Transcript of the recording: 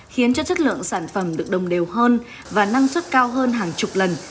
khiến cho chất lượng sản phẩm được đồng đều hơn và năng suất cao hơn hàng chục lần